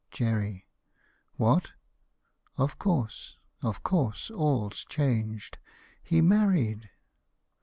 JERRY. What! (Of course; of course; all's changed.) He married!